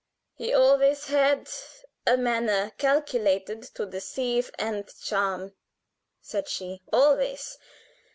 "He always had a manner calculated to deceive and charm," said she; "always.